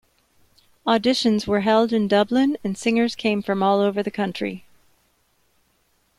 Auditions were held in Dublin and singers came from all over the country.